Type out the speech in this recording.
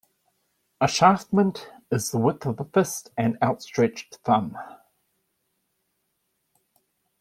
A shaftment is the width of the fist and outstretched thumb.